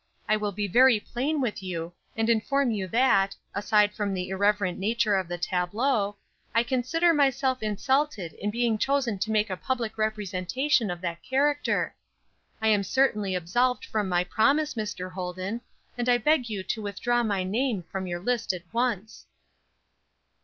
I will be very plain with you, and inform you that, aside from the irreverent nature of the tableau, I consider myself insulted in being chosen to make a public representation of that character. I am certainly absolved from my promise, Mr. Holden; and I beg you to withdraw my name from your list at once."